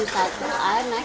ngusik udah beres beres